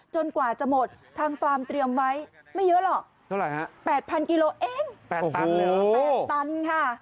กว่าจะหมดทางฟาร์มเตรียมไว้ไม่เยอะหรอกเท่าไหร่ฮะ๘๐๐กิโลเอง๘ตันเลยเหรอ๘ตันค่ะ